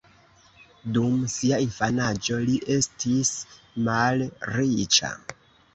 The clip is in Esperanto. Dum sia infanaĝo, li estis malriĉa.